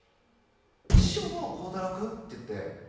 秘書も「孝太郎君」っていって。